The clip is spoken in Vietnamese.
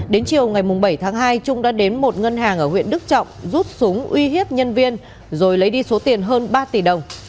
đến chiều ngày bảy tháng hai trung đã đến một ngân hàng ở huyện đức trọng rút súng uy hiếp nhân viên rồi lấy đi số tiền hơn ba tỷ đồng